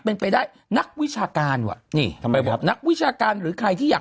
เป็นไปได้นักวิชาการว่ะนี่ทำไมแบบนักวิชาการหรือใครที่อยาก